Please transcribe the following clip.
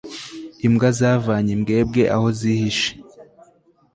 imbwa zavanye imbwebwe aho zihishe